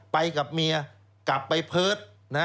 ไปกับเมียกลับไปเพิร์ต